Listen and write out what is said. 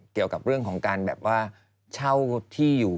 เกี่ยวกับเรื่องของการแบบว่าเช่าที่อยู่